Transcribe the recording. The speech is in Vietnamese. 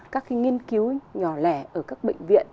các nghiên cứu nhỏ lẻ ở các bệnh viện